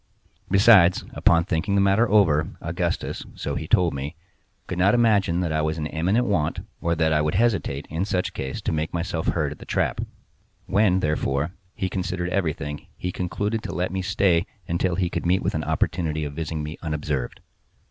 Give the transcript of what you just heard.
Besides, upon thinking the matter over, Augustus, so he told me, could not imagine that I was in immediate want, or that I would hesitate, in such case, to make myself heard at the trap. When, therefore, he considered everything he concluded to let me stay until he could meet with an opportunity of visiting me unobserved.